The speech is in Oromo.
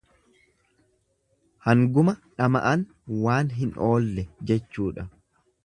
Hangamuu dhama'an waan hin oolle jechuudha.